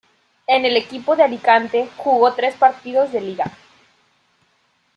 En el equipo de Alicante jugó tres partidos de liga.